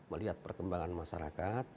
melihat perkembangan masyarakat